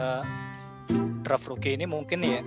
tapi dalam draft rookie ini mungkin ya